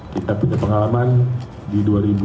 kita punya pengalaman di dua ribu sembilan